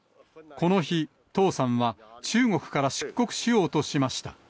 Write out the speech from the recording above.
この日、唐さんは、中国から出国しようとしました。